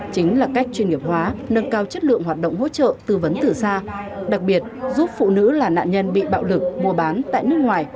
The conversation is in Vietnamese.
chính là cách chuyên nghiệp hóa nâng cao chất lượng hoạt động hỗ trợ tư vấn từ xa đặc biệt giúp phụ nữ là nạn nhân bị bạo lực mua bán tại nước ngoài